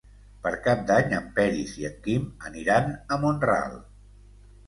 Per Cap d'Any en Peris i en Quim aniran a Mont-ral.